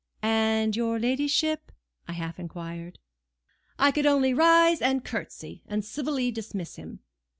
"And your ladyship—" I half inquired. "I could only rise and curtsey, and civilly dismiss him.